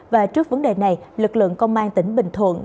và trước vấn đề này lực lượng công an tỉnh bình thuận